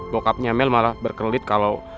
bokapnya mel malah berkelit kalau